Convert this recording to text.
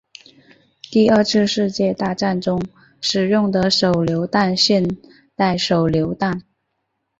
第二次世界大战中使用的手榴弹现代手榴弹